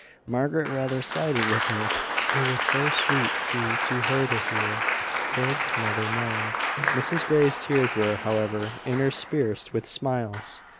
Margaret rather sided with her it was so sweet to her to hear Philip's mother mourned. Mrs Grey's tears were, however, interspersed with smiles.